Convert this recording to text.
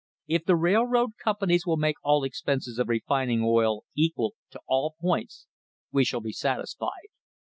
If the railroad companies will make all expenses of refining oil equal to all points, we shall be satisfied.